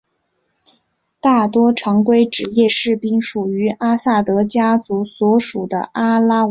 大多常规职业士兵属于阿萨德家族所属的阿拉维派。